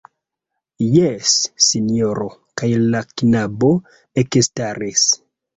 Jes, sinjoro, kaj la knabo ekstaris.